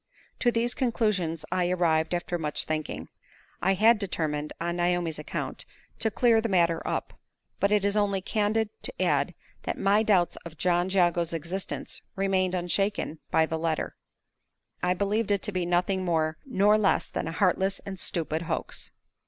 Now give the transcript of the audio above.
To these conclusions I arrived after much thinking. I had determined, on Naomi's account, to clear the matter up; but it is only candid to add that my doubts of John Jago's existence remained unshaken by the letter. I believed it to be nothing more nor less than a heartless and stupid "hoax."